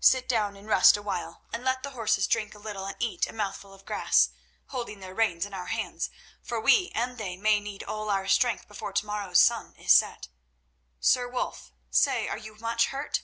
Sit down and rest a while, and let the horses drink a little and eat a mouthful of grass, holding their reins in our hands, for we and they may need all our strength before to morrow's sun is set. Sir Wulf, say, are you much hurt?"